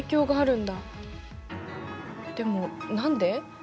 でも何で？